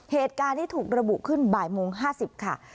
เหตุการณ์ที่ถูกระบุขึ้นบ่ายมุมห้าสิบค่ะ